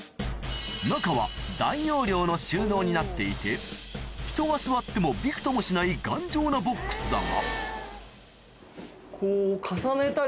中は大容量の収納になっていて人が座ってもびくともしない頑丈なボックスだがこう。